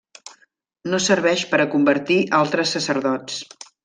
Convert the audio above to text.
No serveix per a convertir altres sacerdots.